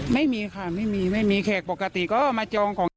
ไม่มีค่ะไม่มีไม่มีแขกปกติก็มาจองของ